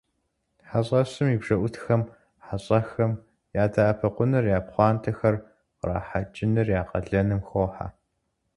Хьэщӏэщым и бжэӏутхэм хьэщӏэхэм ядэӏэпыкъуныр, я пхъуантэхэр кърахьэкӏыныр я къалэным хохьэ.